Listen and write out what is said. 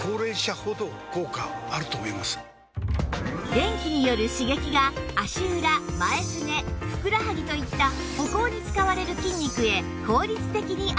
電気による刺激が足裏前すねふくらはぎといった歩行に使われる筋肉へ効率的にアプローチ